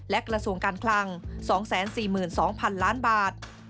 และกระทรวงการคลัง๒๔๒๐๐๐ล้านบาท